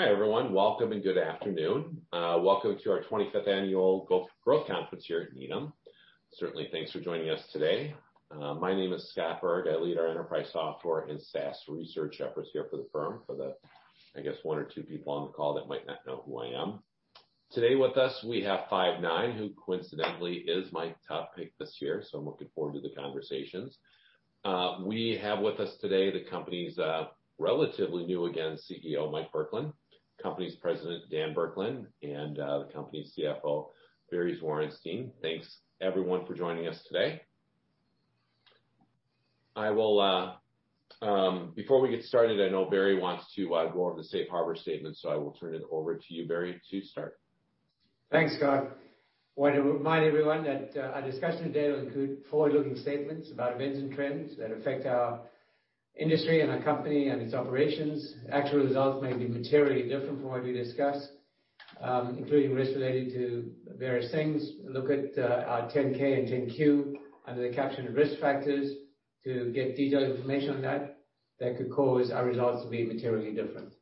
Hi, everyone. Welcome and good afternoon. Welcome to our 25th annual growth conference here at Needham. Certainly, thanks for joining us today. My name is Scott Berg. I lead our enterprise software and SaaS research efforts here for the firm, for the, I guess, one or two people on the call that might not know who I am. Today with us we have Five9, who coincidentally is my top pick this year. I'm looking forward to the conversations. We have with us today the company's relatively new again CEO, Mike Burkland, company's President, Dan Burkland, and the company's CFO, Barry Zwarenstein. Thanks, everyone, for joining us today. I will, before we get started, I know Barry wants to go over the safe harbor statement. I will turn it over to you, Barry, to start. Thanks, Scott. Want to remind everyone that our discussion today will include forward-looking statements about events and trends that affect our industry and our company and its operations. Actual results may be materially different from what we discuss, including risks relating to various things. Look at our 10-K and 10-Q under the caption Risk Factors to get detailed information on that could cause our results to be materially different.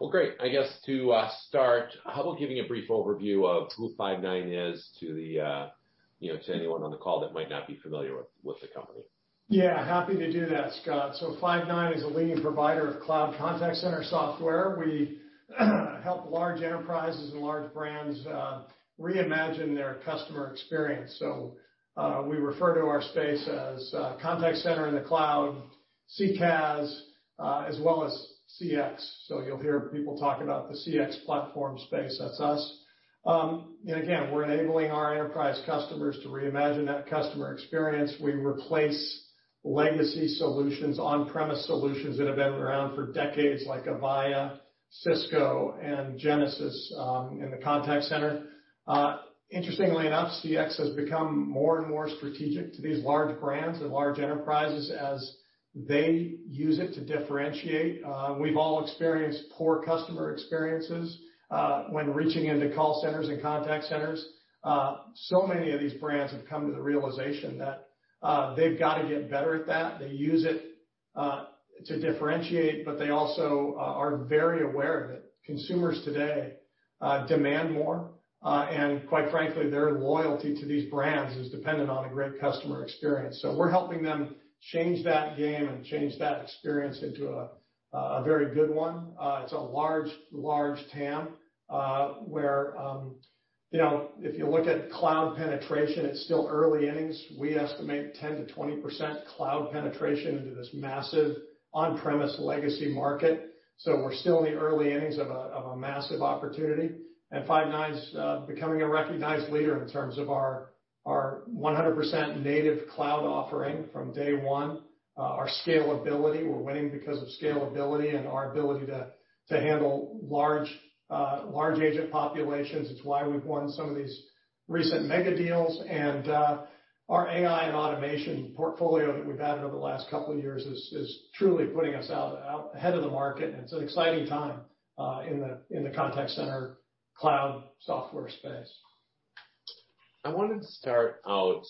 Well, great. I guess to, start, how about giving a brief overview of who Five9 is to the, you know, to anyone on the call that might not be familiar with the company? Yeah, happy to do that, Scott. Five9 is a leading provider of cloud contact center software. We help large enterprises and large brands reimagine their customer experience. We refer to our space as contact center in the cloud, CCaaS, as well as CX. You'll hear people talk about the CX platform space, that's us. Again, we're enabling our enterprise customers to reimagine that customer experience. We replace legacy solutions, on-premise solutions that have been around for decades, like Avaya, Cisco and Genesys in the contact center. Interestingly enough, CX has become more and more strategic to these large brands and large enterprises as they use it to differentiate. We've all experienced poor customer experiences when reaching into call centers and contact centers. Many of these brands have come to the realization that they've got to get better at that. They use it to differentiate, but they also are very aware that consumers today demand more. Quite frankly, their loyalty to these brands is dependent on a great customer experience. We're helping them change that game and change that experience into a very good one. It's a large TAM, where, you know, if you look at cloud penetration, it's still early innings. We estimate 10%-20% cloud penetration into this massive on-premise legacy market. We're still in the early innings of a massive opportunity. Five9's becoming a recognized leader in terms of our 100% native cloud offering from day one. Our scalability. We're winning because of scalability and our ability to handle large agent populations. It's why we've won some of these recent mega deals. Our AI and automation portfolio that we've added over the last couple of years is truly putting us out ahead of the market. It's an exciting time in the contact center cloud software space. I wanted to start out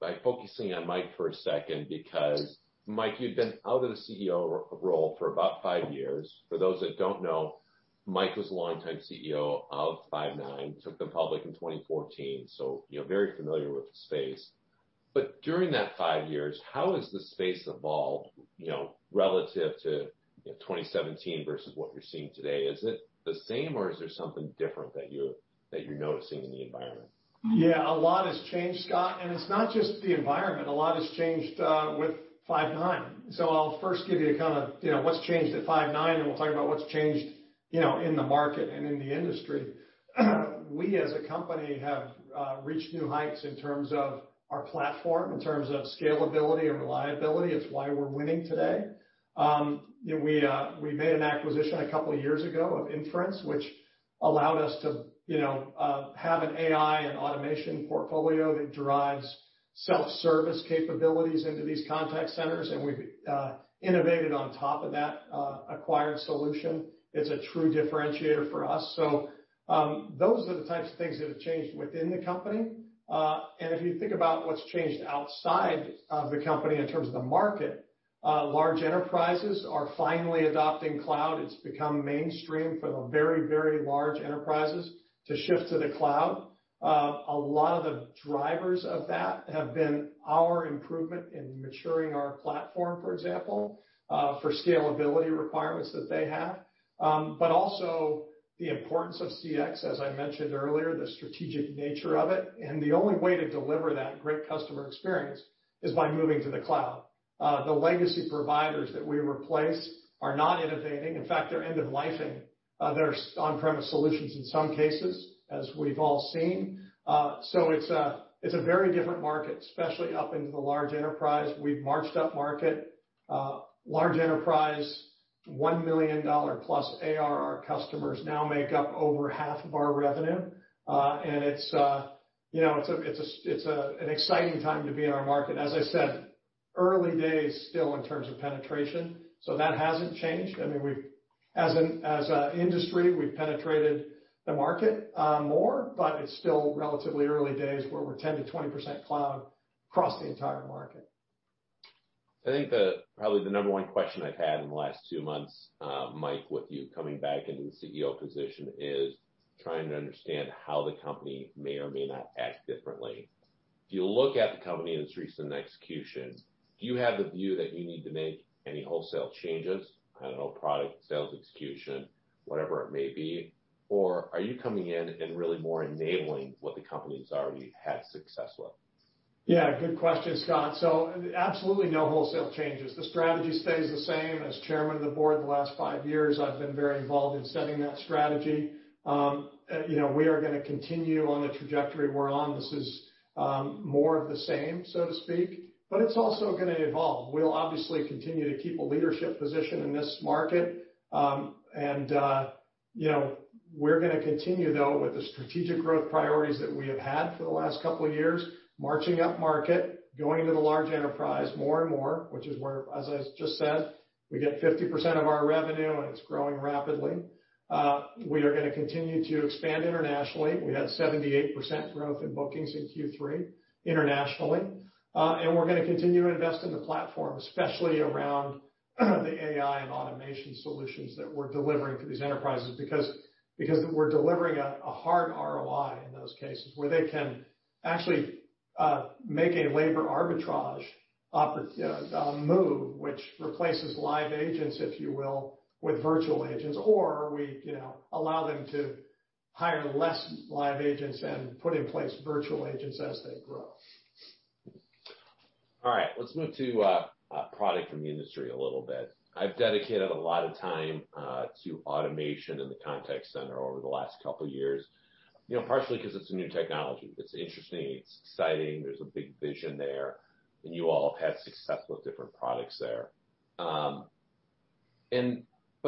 by focusing on Mike for a second because, Mike, you've been out of the CEO role for about five years. For those that don't know, Mike was a longtime CEO of Five9, took them public in 2014, so you know, very familiar with the space. During that five years, how has the space evolved, you know, relative to, you know, 2017 versus what you're seeing today? Is it the same or is there something different that you're noticing in the environment? Yeah, a lot has changed, Scott, and it's not just the environment. A lot has changed with Five9. I'll first give you a kind of, you know, what's changed at Five9, and we'll talk about what's changed, you know, in the market and in the industry. We as a company have reached new heights in terms of our platform, in terms of scalability and reliability. It's why we're winning today. You know, we made an acquisition a couple of years ago of Inference, which allowed us to, you know, have an AI and automation portfolio that drives self-service capabilities into these contact centers, and we've innovated on top of that acquired solution. It's a true differentiator for us. Those are the types of things that have changed within the company. If you think about what's changed outside of the company in terms of the market, large enterprises are finally adopting cloud. It's become mainstream for the very, very large enterprises to shift to the cloud. A lot of the drivers of that have been our improvement in maturing our platform, for example, for scalability requirements that they have, but also the importance of CX, as I mentioned earlier, the strategic nature of it. The only way to deliver that great customer experience is by moving to the cloud. The legacy providers that we replace are not innovating. In fact, they're end-of-lifing their on-premise solutions in some cases, as we've all seen. It's a very different market, especially up into the large enterprise. We've marched up market, large enterprise, $1 million+ ARR customers now make up over half of our revenue. It's, you know, it's an exciting time to be in our market. As I said, early days still in terms of penetration, that hasn't changed. I mean, as an industry, we've penetrated the market more, it's still relatively early days where we're 10%-20% cloud across the entire market. I think the, probably the number one question I've had in the last two months, Mike, with you coming back into the CEO position, is trying to understand how the company may or may not act differently. If you look at the company and its recent execution, do you have the view that you need to make any wholesale changes? I don't know, product, sales execution, whatever it may be. Are you coming in and really more enabling what the company's already had success with? Yeah, good question, Scott. Absolutely no wholesale changes. The strategy stays the same. As Chairman of the Board the last five years, I've been very involved in setting that strategy. You know, we are gonna continue on the trajectory we're on. This is more of the same, so to speak, but it's also gonna evolve. We'll obviously continue to keep a leadership position in this market. You know, we're gonna continue though with the strategic growth priorities that we have had for the last couple of years, marching up market, going to the large enterprise more and more, which is where, as I just said, we get 50% of our revenue, and it's growing rapidly. We are gonna continue to expand internationally. We had 78% growth in bookings in Q3 internationally. We're gonna continue to invest in the platform, especially around the AI and automation solutions that we're delivering to these enterprises because we're delivering a hard ROI in those cases where they can actually make a labor arbitrage move, which replaces live agents, if you will, with virtual agents, or we, you know, allow them to hire less live agents and put in place virtual agents as they grow. All right. Let's move to product and the industry a little bit. I've dedicated a lot of time to automation in the contact center over the last couple of years, you know, partially 'cause it's a new technology. It's interesting, it's exciting, there's a big vision there, and you all have had success with different products there.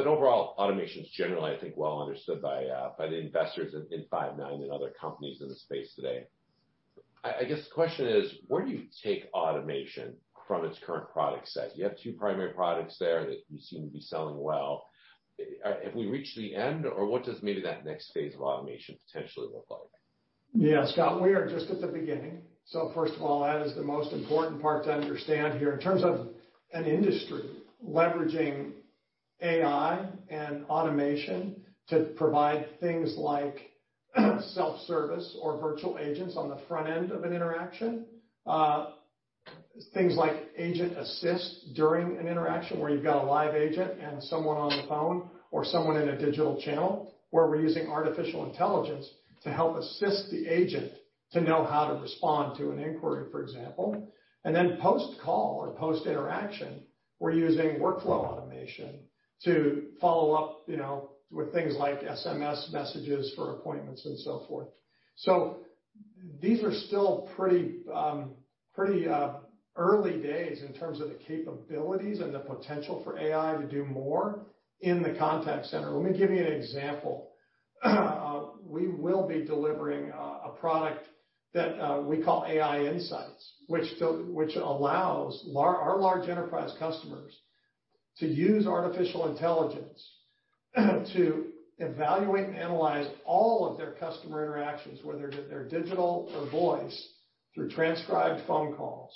Overall, automation is generally, I think, well understood by the investors in Five9 and other companies in the space today. I guess the question is: where do you take automation from its current product set? You have two primary products there that you seem to be selling well. Have we reached the end, or what does maybe that next phase of automation potentially look like? Scott, we are just at the beginning. First of all, that is the most important part to understand here. In terms of an industry leveraging AI and automation to provide things like self-service or virtual agents on the front end of an interaction, things like Agent Assist during an interaction where you've got a live agent and someone on the phone or someone in a digital channel, where we're using artificial intelligence to help assist the agent to know how to respond to an inquiry, for example. Post-call or post-interaction, we're using workflow automation to follow up, you know, with things like SMS messages for appointments and so forth. These are still pretty early days in terms of the capabilities and the potential for AI to do more in the contact center. Let me give you an example. We will be delivering a product that we call AI Insights, which allows our large enterprise customers to use artificial intelligence to evaluate and analyze all of their customer interactions, whether they're digital or voice, through transcribed phone calls,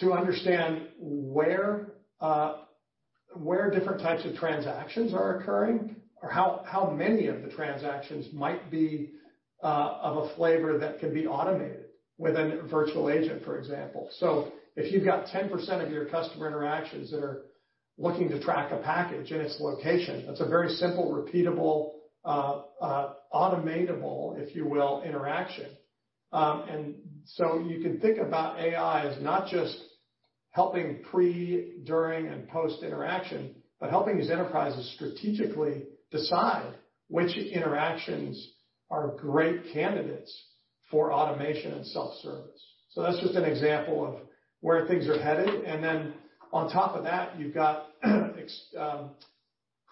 to understand where different types of transactions are occurring or how many of the transactions might be of a flavor that can be automated with a virtual agent, for example. If you've got 10% of your customer interactions that are looking to track a package and its location, that's a very simple, repeatable, automatable, if you will, interaction. You can think about AI as not just helping pre, during and post-interaction, but helping these enterprises strategically decide which interactions are great candidates for automation and self-service. That's just an example of where things are headed. Then on top of that, you've got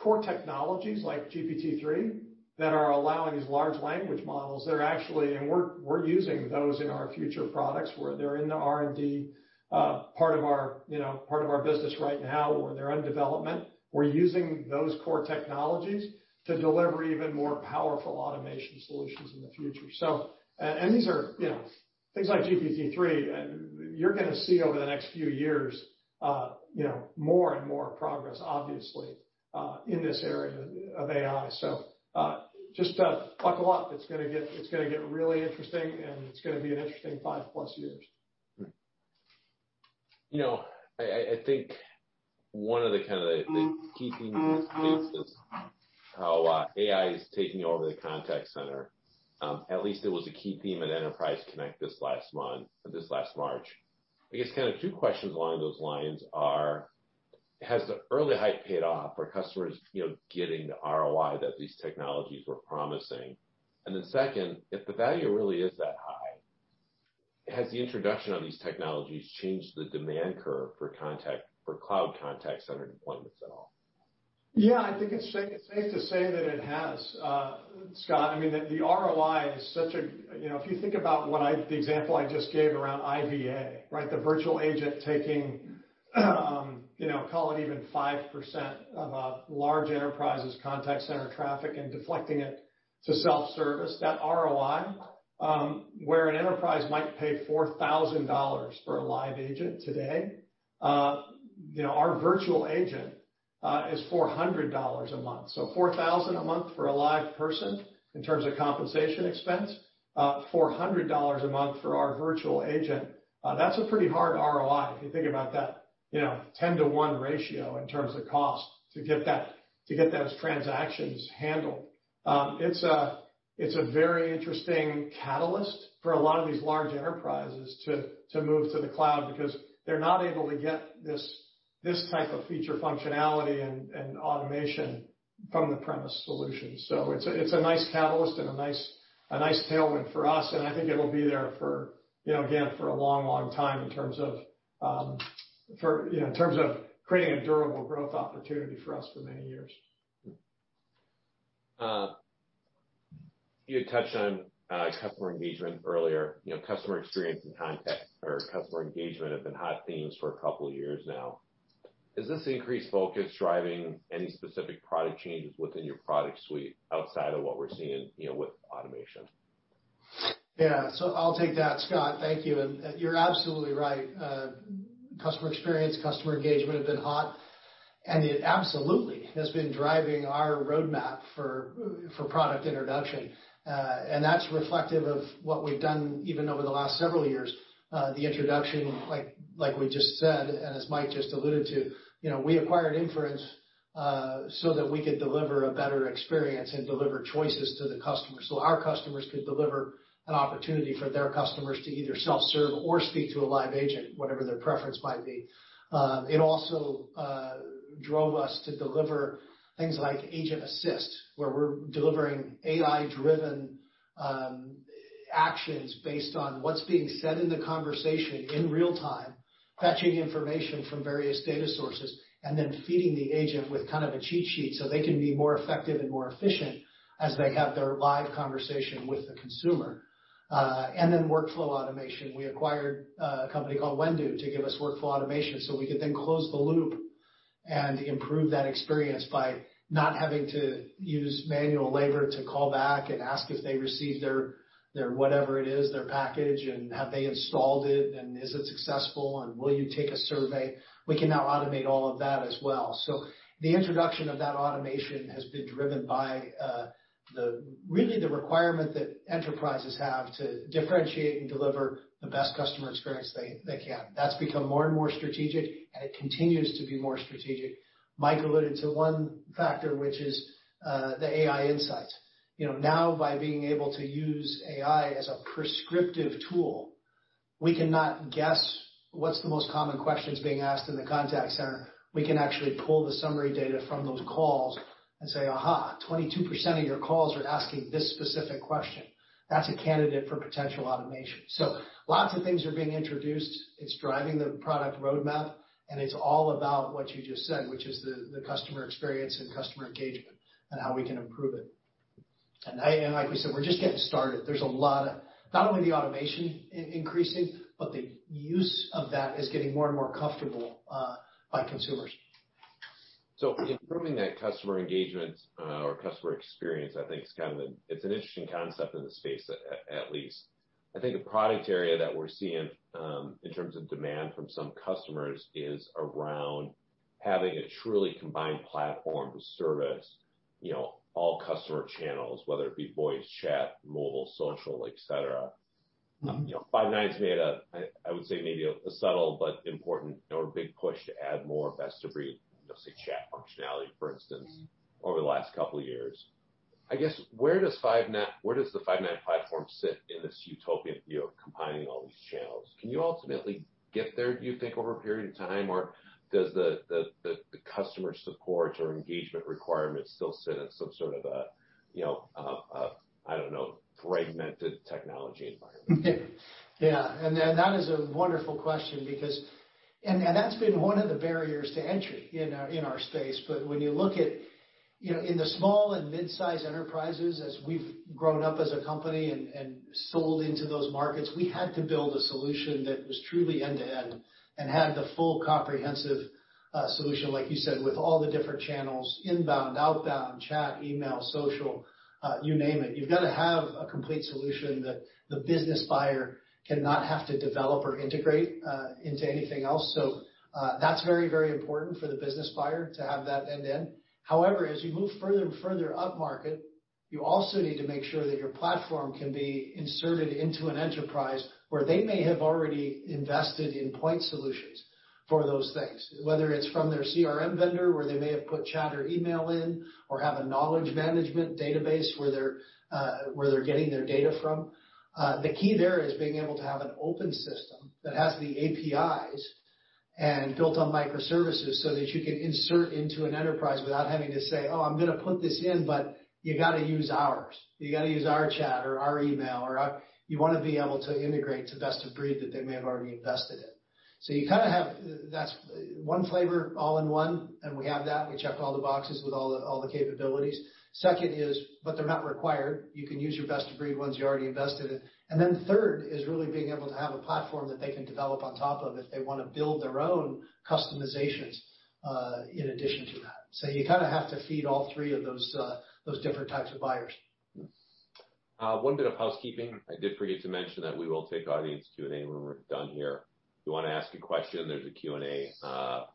core technologies like GPT-3 that are allowing these large language models that are actually. We're using those in our future products, where they're in the R&D part of our, you know, part of our business right now, or they're in development. We're using those core technologies to deliver even more powerful automation solutions in the future. These are, you know, things like GPT-3, you're gonna see over the next few years, you know, more and more progress, obviously, in this area of AI. Just buckle up. It's gonna get really interesting, and it's gonna be an interesting five+ years. You know, I think one of the kinda the key themes is how AI is taking over the contact center. At least it was a key theme at Enterprise Connect this last March. I guess kind of two questions along those lines are: Has the early hype paid off? Are customers, you know, getting the ROI that these technologies were promising? Second, if the value really is that high, has the introduction of these technologies changed the demand curve for cloud contact center deployments at all? Yeah. I think it's safe to say that it has, Scott. I mean, the ROI is such a... You know, if you think about what the example I just gave around IVA, right? The virtual agent taking- You know, call it even 5% of a large enterprise's contact center traffic and deflecting it to self-service, that ROI, where an enterprise might pay $4,000 for a live agent today, you know, our virtual agent is $400 a month. $4,000 a month for a live person in terms of compensation expense, $400 a month for our virtual agent. That's a pretty hard ROI if you think about that, you know, 10/1 ratio in terms of cost to get those transactions handled. It's a very interesting catalyst for a lot of these large enterprises to move to the cloud because they're not able to get this type of feature functionality and automation from the premise solution. It's a nice catalyst and a nice tailwind for us, and I think it'll be there for, you know, again, for a long, long time in terms of, for, you know, in terms of creating a durable growth opportunity for us for many years. You had touched on customer engagement earlier. You know, customer experience and contact or customer engagement have been hot themes for a couple of years now. Is this increased focus driving any specific product changes within your product suite outside of what we're seeing, you know, with automation? Yeah. I'll take that, Scott. Thank you. You're absolutely right. Customer experience, customer engagement have been hot, and it absolutely has been driving our roadmap for product introduction. That's reflective of what we've done even over the last several years. The introduction, like we just said, and as Mike just alluded to, you know, we acquired Inference, so that we could deliver a better experience and deliver choices to the customer, so our customers could deliver an opportunity for their customers to either self-serve or speak to a live agent, whatever their preference might be. It also drove us to deliver things like Agent Assist, where we're delivering AI-driven actions based on what's being said in the conversation in real time, fetching information from various data sources, and then feeding the agent with kind of a cheat sheet so they can be more effective and more efficient as they have their live conversation with the consumer. Workflow automation. We acquired a company called Whendu to give us workflow automation, so we could then close the loop and improve that experience by not having to use manual labor to call back and ask if they received their whatever it is, their package, and have they installed it, and is it successful, and will you take a survey? We can now automate all of that as well. The introduction of that automation has been driven by the really the requirement that enterprises have to differentiate and deliver the best customer experience they can. That's become more and more strategic, and it continues to be more strategic. Mike alluded to one factor, which is the AI Insights. You know, now by being able to use AI as a prescriptive tool, we cannot guess what's the most common questions being asked in the contact center. We can actually pull the summary data from those calls and say, Aha, 22% of your calls are asking this specific question. That's a candidate for potential automation. Lots of things are being introduced. It's driving the product roadmap, and it's all about what you just said, which is the customer experience and customer engagement, and how we can improve it. Like we said, we're just getting started. There's a lot of not only the automation increasing, but the use of that is getting more and more comfortable by consumers. Improving that customer engagement, or customer experience, I think is kind of an interesting concept in the space at least. I think a product area that we're seeing, in terms of demand from some customers is around having a truly combined platform to service, you know, all customer channels, whether it be voice, chat, mobile, social, et cetera. You know, Five9's made a, I would say, maybe a subtle but important or big push to add more best-of-breed, let's say chat functionality, for instance, over the last couple of years. I guess where does the Five9 platform sit in this utopian view of combining all these channels? Can you ultimately get there, do you think, over a period of time, or does the customer support or engagement requirements still sit in some sort of a, you know, a, I don't know, fragmented technology environment? Yeah. That is a wonderful question because... That's been one of the barriers to entry in our space. When you look at, you know, in the small and mid-size enterprises, as we've grown up as a company and sold into those markets, we had to build a solution that was truly end-to-end and had the full comprehensive solution, like you said, with all the different channels, inbound, outbound, chat, email, social, you name it. You've got to have a complete solution that the business buyer cannot have to develop or integrate into anything else. That's very important for the business buyer to have that end-to-end. However, as you move further and further upmarket, you also need to make sure that your platform can be inserted into an enterprise where they may have already invested in point solutions for those things, whether it's from their CRM vendor, where they may have put chat or email in, or have a knowledge management database where they're getting their data from. The key there is being able to have an open system that has the APIs and built on microservices so that you can insert into an enterprise without having to say, Oh, I'm gonna put this in, but you gotta use ours. You gotta use our chat or our email or our... You wanna be able to integrate to best-of-breed that they may have already invested in. That's one flavor all-in-one, and we have that. We check all the boxes with all the, all the capabilities. Second is, they're not required. You can use your best-of-breed ones you already invested in. Third is really being able to have a platform that they can develop on top of if they wanna build their own customizations in addition to that. You kinda have to feed all three of those different types of buyers. One bit of housekeeping. I did forget to mention that we will take audience Q&A when we're done here. If you wanna ask a question, there's a Q&A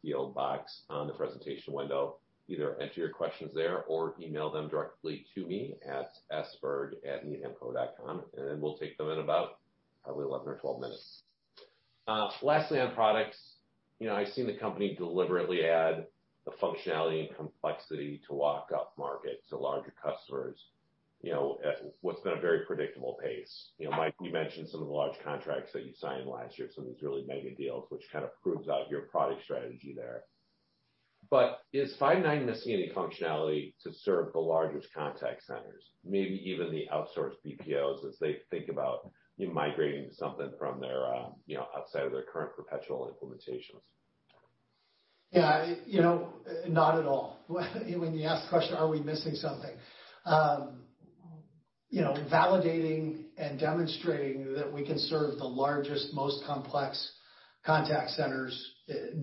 field box on the presentation window. Either enter your questions there or email them directly to me at sberg@needhamco.com, and then we'll take them in about probably 11 or 12 minutes. Lastly, on products, you know, I've seen the company deliberately add the functionality and complexity to walk upmarket to larger customers, you know, at what's been a very predictable pace. You know, Mike, you mentioned some of the large contracts that you signed last year, some of these really mega deals, which kind of proves out your product strategy there. Is Five9 missing any functionality to serve the largest contact centers, maybe even the outsourced BPOs, as they think about migrating to something from their, you know, outside of their current perpetual implementations? Yeah, you know, not at all. When you ask the question, are we missing something? You know, validating and demonstrating that we can serve the largest, most complex contact centers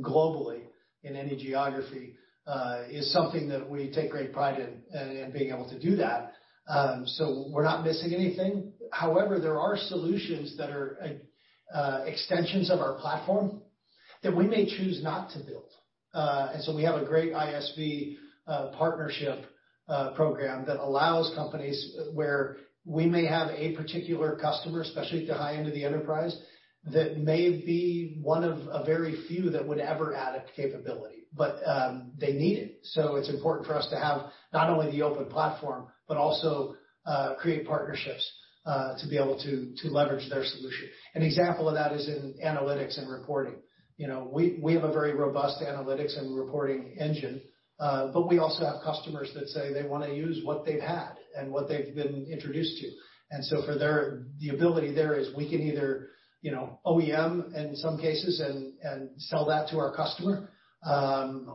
globally in any geography, is something that we take great pride in being able to do that. We're not missing anything. However, there are solutions that are extensions of our platform that we may choose not to build. We have a great ISV partnership program that allows companies where we may have a particular customer, especially at the high end of the enterprise, that may be one of a very few that would ever add a capability, but, they need it. It's important for us to have not only the open platform, but also create partnerships to be able to leverage their solution. An example of that is in analytics and reporting. You know, we have a very robust analytics and reporting engine, but we also have customers that say they wanna use what they've had and what they've been introduced to. The ability there is we can either, you know, OEM in some cases and sell that to our customer,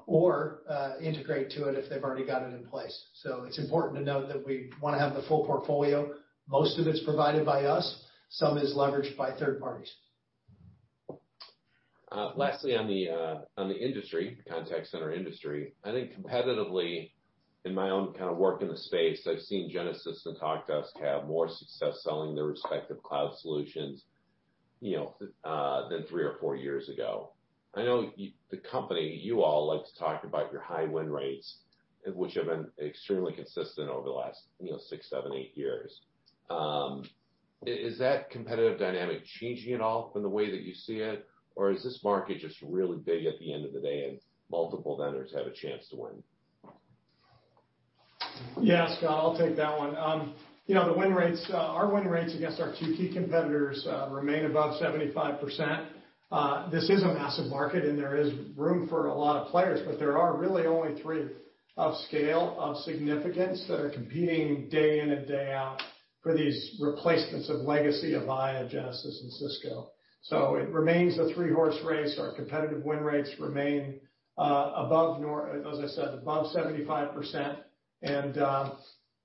or integrate to it if they've already got it in place. It's important to note that we wanna have the full portfolio. Most of it's provided by us, some is leveraged by third parties. lastly, on the industry, the contact center industry, I think competitively, in my own kind of work in the space, I've seen Genesys and Talkdesk have more success selling their respective cloud solutions, you know, than three or four years ago. I know the company, you all like to talk about your high win rates, which have been extremely consistent over the last, you know, six, seven, eight years. Is that competitive dynamic changing at all from the way that you see it? Is this market just really big at the end of the day, and multiple vendors have a chance to win? Yeah, Scott, I'll take that one. You know, the win rates, our win rates against our two key competitors, remain above 75%. This is a massive market, and there is room for a lot of players, but there are really only three of scale, of significance that are competing day in and day out for these replacements of legacy, Avaya, Genesys, and Cisco. It remains a three-horse race. Our competitive win rates remain, as I said, above 75%.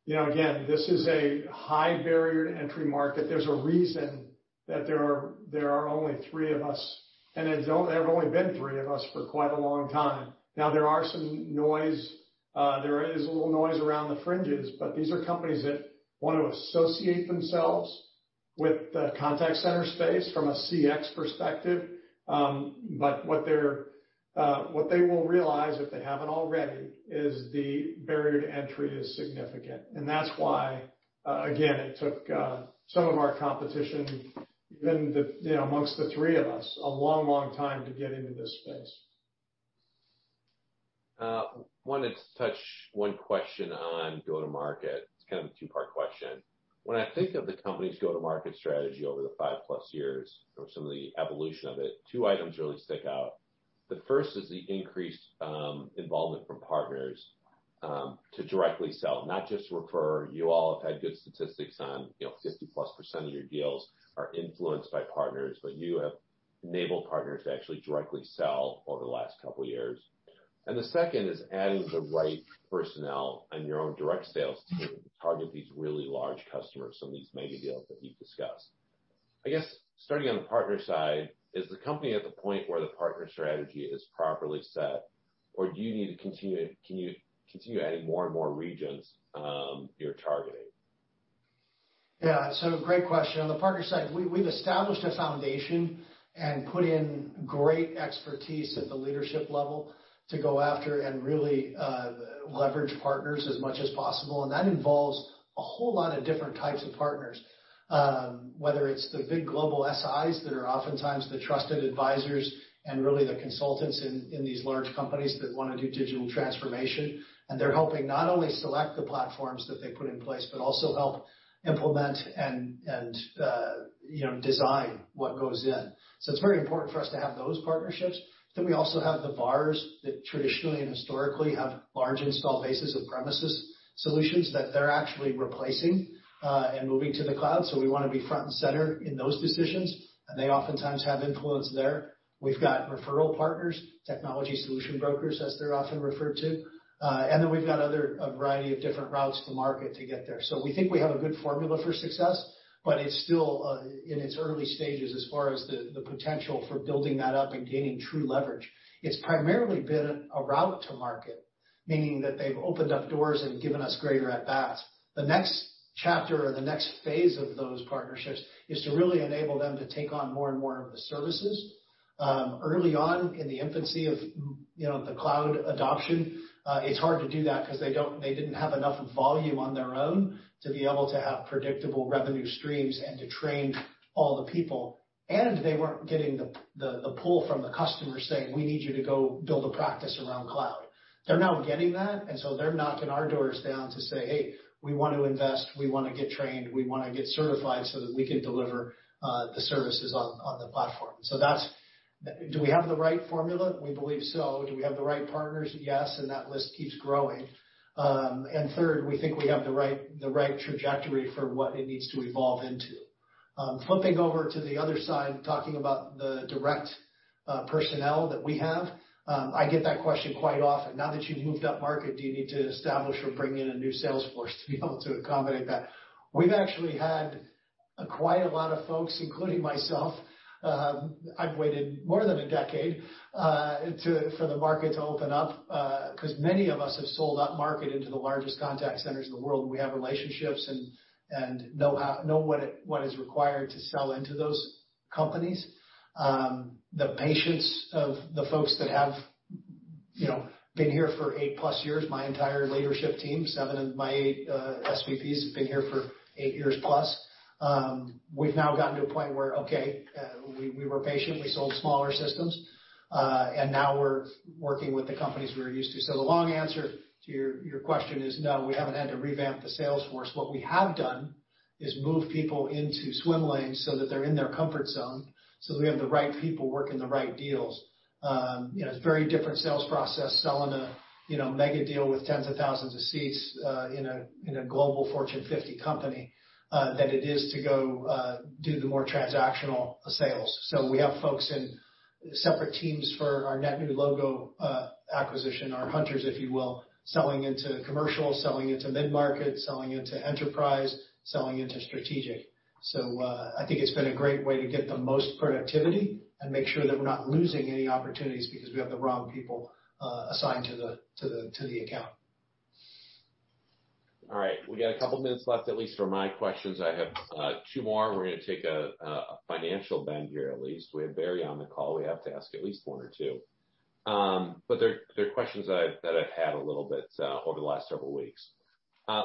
You know, again, this is a high barrier to entry market. There's a reason that there are only three of us, and there have only been three of us for quite a long time. There are some noise, there is a little noise around the fringes, these are companies that wanna associate themselves with the contact center space from a CX perspective. What they're, what they will realize, if they haven't already, is the barrier to entry is significant. That's why, again, it took some of our competition, even the, you know, amongst the three of us, a long, long time to get into this space. Wanted to touch one question on go-to-market. It's kind of a two-part question. When I think of the company's go-to-market strategy over the five+ years or some of the evolution of it, two items really stick out. The first is the increased involvement from partners to directly sell, not just refer. You all have had good statistics on, you know, 50+% of your deals are influenced by partners, but you have enabled partners to actually directly sell over the last couple of years. The second is adding the right personnel on your own direct sales team to target these really large customers on these mega deals that you've discussed. I guess starting on the partner side, is the company at the point where the partner strategy is properly set, or do you need to continue adding more and more regions you're targeting? Yeah. Great question. On the partner side, we've established a foundation and put in great expertise at the leadership level to go after and really leverage partners as much as possible. That involves a whole lot of different types of partners, whether it's the big global SIs that are oftentimes the trusted advisors and really the consultants in these large companies that wanna do digital transformation. They're helping not only select the platforms that they put in place, but also help implement and, you know, design what goes in. It's very important for us to have those partnerships. We also have the VARs that traditionally and historically have large install bases of premises solutions that they're actually replacing and moving to the cloud. We wanna be front and center in those positions, and they oftentimes have influence there. We've got referral partners, technology solution brokers, as they're often referred to. We've got other, a variety of different routes to market to get there. We think we have a good formula for success, but it's still in its early stages as far as the potential for building that up and gaining true leverage. It's primarily been a route to market, meaning that they've opened up doors and given us greater at-bats. The next chapter or the next phase of those partnerships is to really enable them to take on more and more of the services. Early on in the infancy of, you know, the cloud adoption, it's hard to do that 'cause they didn't have enough volume on their own to be able to have predictable revenue streams and to train all the people. They weren't getting the pull from the customers saying, we need you to go build a practice around cloud. They're now getting that, they're knocking our doors down to say, hey, we want to invest, we wanna get trained, we wanna get certified so that we can deliver the services on the platform. Do we have the right formula? We believe so. Do we have the right partners? Yes, and that list keeps growing. Third, we think we have the right trajectory for what it needs to evolve into. Flipping over to the other side, talking about the direct personnel that we have. I get that question quite often. Now that you've moved up market, do you need to establish or bring in a new sales force to be able to accommodate that? We've actually had quite a lot of folks, including myself, I've waited more than a decade for the market to open up, 'cause many of us have sold up market into the largest contact centers in the world. We have relationships and know what is required to sell into those companies. The patience of the folks that have, you know, been here for eight+ years, my entire leadership team, seven of my eight SVPs have been here for eight years+. We've now gotten to a point where we were patient, we sold smaller systems, we're working with the companies we're used to. The long answer to your question is no, we haven't had to revamp the sales force. What we have done is move people into swim lanes so that they're in their comfort zone, so we have the right people working the right deals. You know, it's a very different sales process selling a, you know, mega deal with tens of thousands of seats in a global Fortune 50 company than it is to go do the more transactional sales. We have folks in separate teams for our net new logo acquisition, our hunters, if you will, selling into commercial, selling into mid-market, selling into enterprise, selling into strategic. I think it's been a great way to get the most productivity and make sure that we're not losing any opportunities because we have the wrong people, assigned to the account. All right. We got couple minutes left, at least for my questions. I have two more. We're going to take a financial bend here, at least. We have Barry on the call. We have to ask at least one or two. They're questions that I've had a little bit over the last several weeks.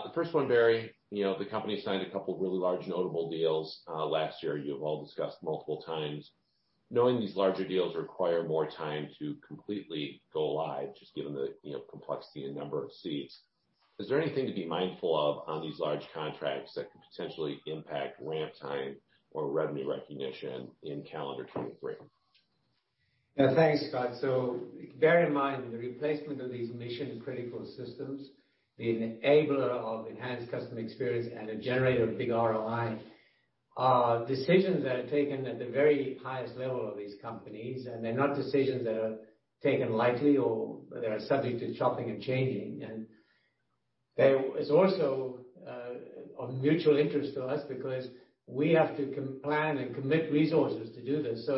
The first one, Barry, you know, the company signed two of really large notable deals last year. You have all discussed multiple times. Knowing these larger deals require more time to completely go live, just given the, you know, complexity and number of seats, is there anything to be mindful of on these large contracts that could potentially impact ramp time or revenue recognition in calendar 2023? Yeah. Thanks, Scott. Bear in mind, the replacement of these mission-critical systems, the enabler of enhanced customer experience and a generator of big ROI, are decisions that are taken at the very highest level of these companies, and they're not decisions that are taken lightly or they are subject to chopping and changing. It's also of mutual interest to us because we have to plan and commit resources to do this.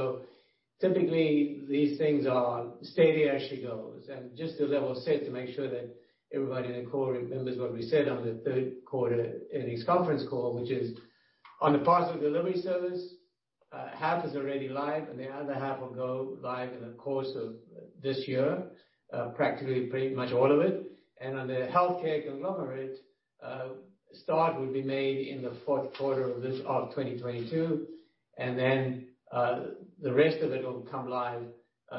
Typically, these things are steady as she goes. Just to level set to make sure that everybody in the call remembers what we said on the third quarter earnings conference call, which is on the parcel delivery service, half is already live, and the other half will go live in the course of this year, practically pretty much all of it. On the healthcare conglomerate, start will be made in the fourth quarter of 2022, and then, the rest of it will come live,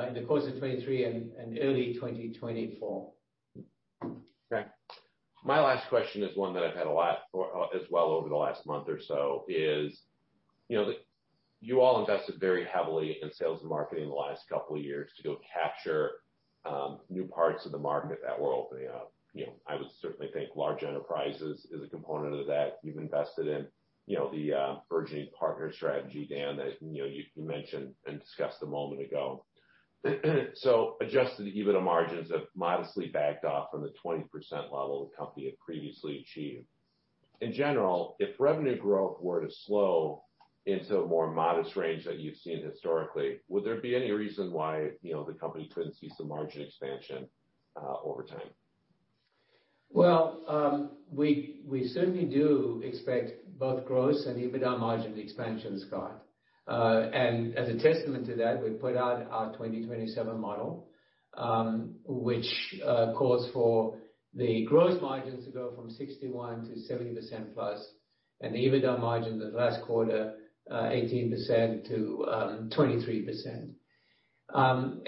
in the course of 2023 and early 2024. Okay. My last question is one that I've had a lot for as well over the last month or so. You all invested very heavily in sales and marketing the last couple of years to go capture new parts of the market that were opening up. I would certainly think large enterprises is a component of that. You've invested in the burgeoning partner strategy, Dan, that you mentioned and discussed a moment ago. Adjusted EBITDA margins have modestly backed off from the 20% level the company had previously achieved. In general, if revenue growth were to slow into a more modest range that you've seen historically, would there be any reason why the company couldn't see some margin expansion over time? Well, we certainly do expect both gross and EBITDA margin expansions, Scott. As a testament to that, we put out our 2027 model, which calls for the gross margins to go from 61% to 70%+, and the EBITDA margin the last quarter, 18%-23%. You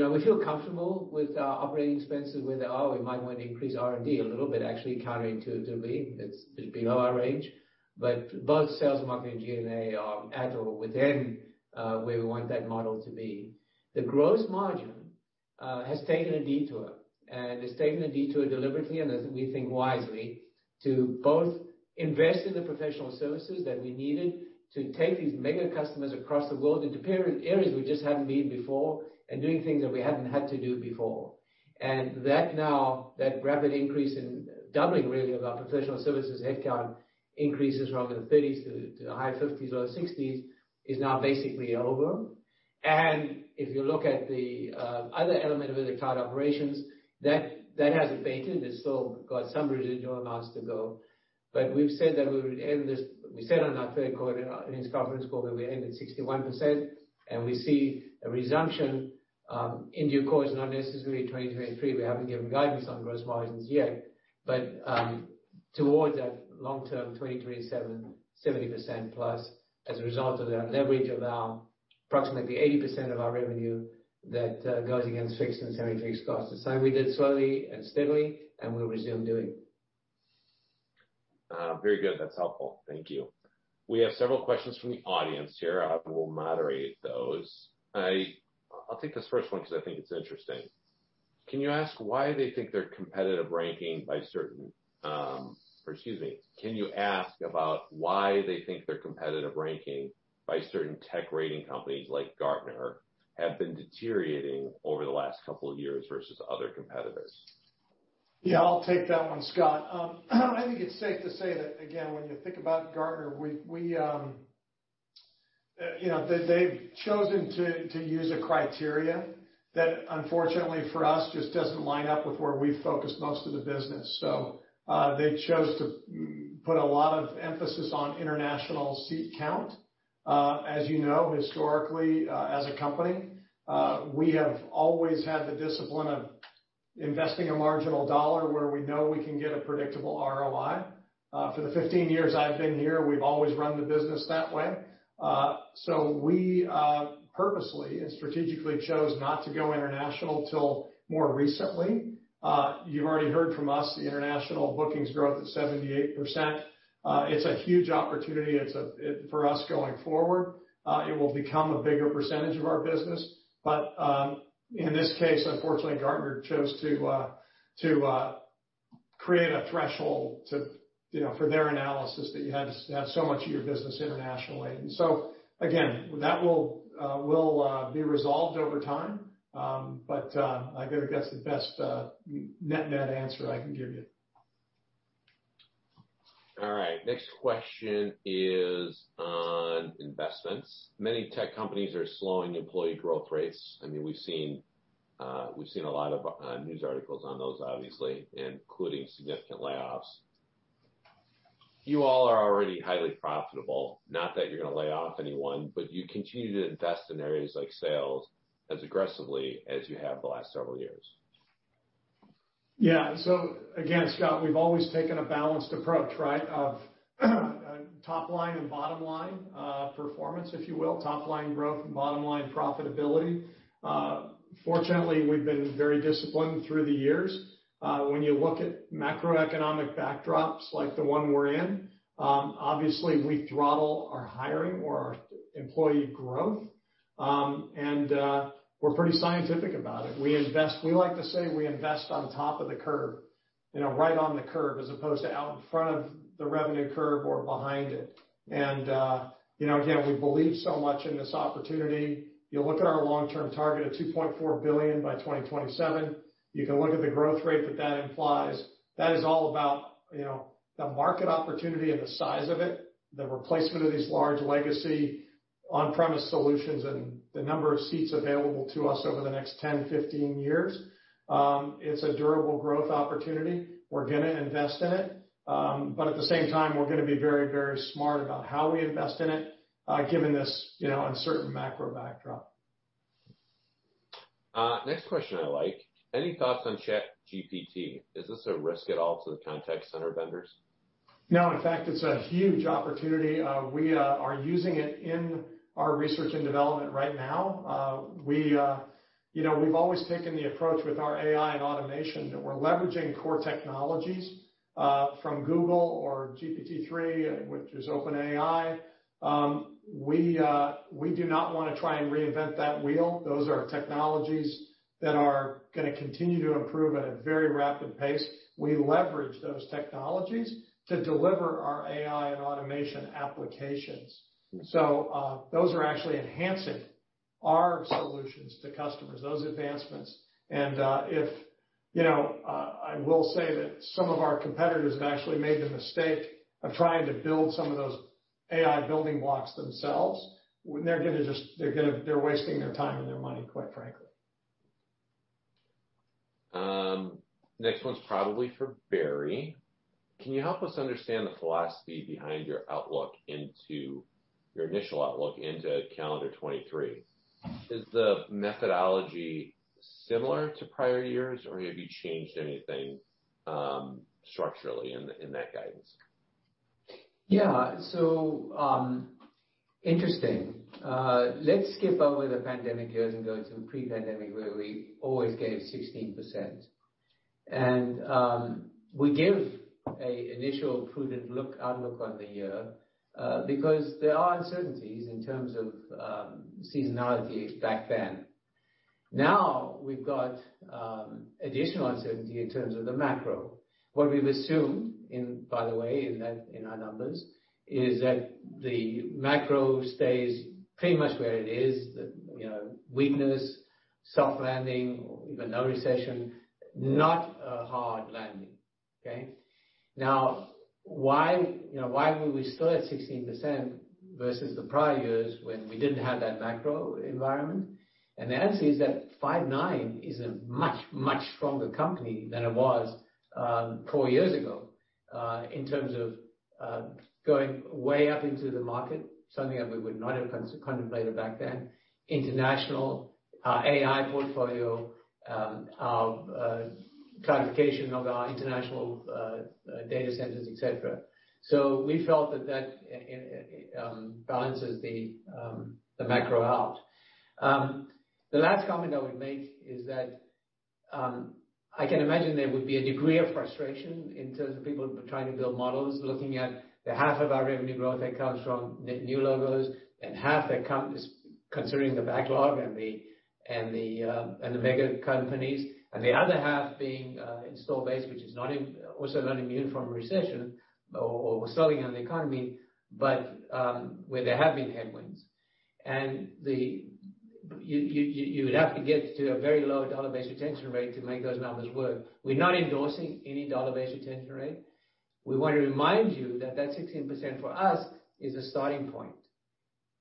know, we feel comfortable with our operating expenses where they are. We might want to increase R&D a little bit, actually, counterintuitively. It's below our range. But both sales and marketing G&A are at or within where we want that model to be. The gross margin has taken a detour, and it's taken a detour deliberately, and as we think wisely, to both invest in the professional services that we needed to take these mega customers across the world into areas we just hadn't been before and doing things that we hadn't had to do before. That now, that rapid increase in doubling really of our professional services headcount increases from the 30s to the high 50s or 60s is now basically over. If you look at the other element of it, cloud operations, that hasn't faded. It's still got some residual amounts to go. We said on our third quarter earnings conference call that we end at 61%, and we see a resumption in due course, not necessarily in 2023. We haven't given guidance on gross margins yet, but towards that long-term 2027 70%+ as a result of that leverage of our approximately 80% of our revenue that goes against fixed and semi-fixed costs. The same we did slowly and steadily, and we'll resume doing. Very good. That's helpful. Thank you. We have several questions from the audience here. I will moderate those. I'll take this first one because I think it's interesting. Can you ask about why they think their competitive ranking by certain tech rating companies like Gartner have been deteriorating over the last couple of years versus other competitors? Yeah, I'll take that one, Scott. I think it's safe to say that, again, when you think about Gartner, we, you know, they've chosen to use a criteria that unfortunately for us just doesn't line up with where we focus most of the business. They chose to put a lot of emphasis on international seat count. As you know, historically, as a company, we have always had the discipline of investing a marginal dollar where we know we can get a predictable ROI. For the 15 years I've been here, we've always run the business that way. We purposely and strategically chose not to go international till more recently. You've already heard from us the international bookings growth at 78%. It's a huge opportunity. It's for us going forward, it will become a bigger percentage of our business. In this case, unfortunately, Gartner chose to create a threshold to, you know, for their analysis that you had to have so much of your business internationally. Again, that will be resolved over time. I gotta guess the best net-net answer I can give you. All right. Next question is on investments. Many tech companies are slowing employee growth rates. I mean, we've seen a lot of news articles on those, obviously, including significant layoffs. You all are already highly profitable, not that you're gonna lay off anyone, but you continue to invest in areas like sales as aggressively as you have the last several years. Again, Scott, we've always taken a balanced approach, right? Of top line and bottom line performance, if you will. Top line growth and bottom line profitability. Fortunately, we've been very disciplined through the years. When you look at macroeconomic backdrops like the one we're in, obviously we throttle our hiring or our employee growth. We're pretty scientific about it. We like to say we invest on top of the curve, you know, right on the curve, as opposed to out in front of the revenue curve or behind it. You know, again, we believe so much in this opportunity. You look at our long-term target of $2.4 billion by 2027, you can look at the growth rate that that implies. That is all about, you know, the market opportunity and the size of it, the replacement of these large legacy on-premise solutions and the number of seats available to us over the next 10-15 years. It's a durable growth opportunity. We're gonna invest in it. At the same time, we're gonna be very, very smart about how we invest in it, given this, you know, uncertain macro backdrop. Next question I like: Any thoughts on ChatGPT? Is this a risk at all to the contact center vendors? No. In fact, it's a huge opportunity. We are using it in our research and development right now. We, you know, we've always taken the approach with our AI and automation that we're leveraging core technologies from Google or GPT-3, which is OpenAI. We do not wanna try and reinvent that wheel. Those are technologies that are gonna continue to improve at a very rapid pace. We leverage those technologies to deliver our AI and automation applications. Those are actually enhancing our solutions to customers, those advancements. If, you know, I will say that some of our competitors have actually made the mistake of trying to build some of those AI building blocks themselves. They're wasting their time and their money, quite frankly. Next one's probably for Barry. Can you help us understand the philosophy behind your initial outlook into calendar 2023? Is the methodology similar to prior years, or have you changed anything structurally in that guidance? Yeah. Interesting. Let's skip over the pandemic years and go to pre-pandemic, where we always gave 16%. We give a initial prudent look, outlook on the year, because there are uncertainties in terms of seasonality back then. Now we've got additional uncertainty in terms of the macro. What we've assumed in, by the way, in that, in our numbers, is that the macro stays pretty much where it is. The, you know, weakness, soft landing or even no recession, not a hard landing. Okay? Why, you know, why were we still at 16% versus the prior years when we didn't have that macro environment? The answer is that Five9 is a much, much stronger company than it was four years ago. In terms of going way up into the market, something that we would not have contemplated back then. International, AI portfolio, clarification of our international data centers, et cetera. We felt that that balances the macro out. The last comment I would make is that I can imagine there would be a degree of frustration in terms of people trying to build models, looking at the half of our revenue growth that comes from new logos and half that comes considering the backlog and the mega companies, and the other half being install base, which is also not immune from a recession or slowing down the economy. Where there have been headwinds. You would have to get to a very low dollar-based retention rate to make those numbers work. We're not endorsing any dollar-based retention rate. We want to remind you that 16% for us is a starting point.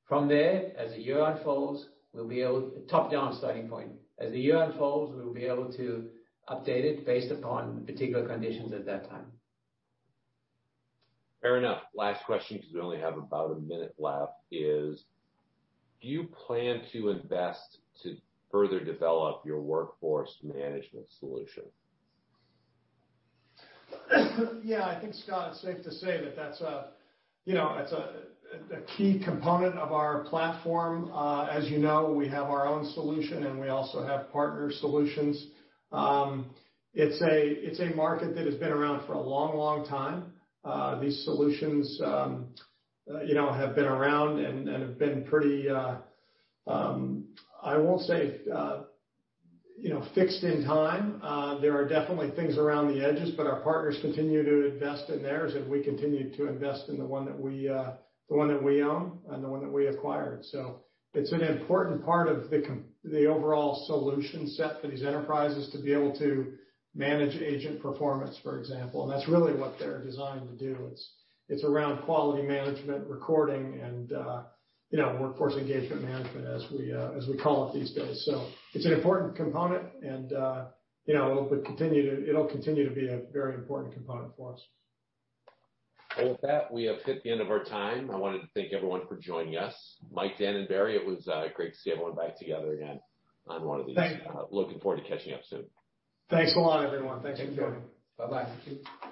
Top-down starting point. As the year unfolds, we'll be able to update it based upon particular conditions at that time. Fair enough. Last question, because we only have about a minute left, is, do you plan to invest to further develop your workforce management solution? Yeah, I think, Scott, it's safe to say that that's a, you know, it's a key component of our platform. As you know, we have our own solution, and we also have partner solutions. It's a, it's a market that has been around for a long, long time. These solutions, you know, have been around and have been pretty, I won't say, you know, fixed in time. There are definitely things around the edges, but our partners continue to invest in theirs, and we continue to invest in the one that we, the one that we own and the one that we acquired. It's an important part of the overall solution set for these enterprises to be able to manage agent performance, for example. That's really what they're designed to do. It's around quality management, recording and, you know, workforce engagement management, as we, as we call it these days. It's an important component and, you know, it'll continue to be a very important component for us. Well, with that, we have hit the end of our time. I wanted to thank everyone for joining us. Mike, Dan, and Barry, it was great to see everyone back together again on one of these. Thank you. Looking forward to catching up soon. Thanks a lot, everyone. Thanks for joining. Thank you. Bye-bye.